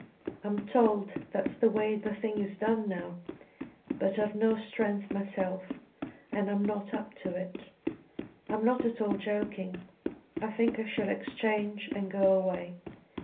"I'm told that's the way the thing is done now; but I've no strength myself, and I'm not up to it. I'm not at all joking. I think I shall exchange and go away.